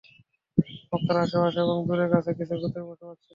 মক্কার আশে-পাশে এবং দুরে-কাছে কিছু গোত্রের বসবাস ছিল।